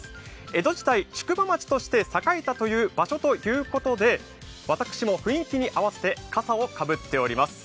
江戸時代宿場町として栄えたという場所ということで私も雰囲気に合わせて笠をかぶっています。